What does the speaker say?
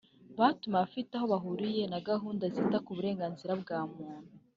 batumiye abafite aho bahuriye na gahunda zita ku burenganzira bwa muntu